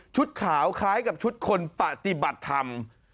ขาวคล้ายกับชุดคนปฏิบัติธรรม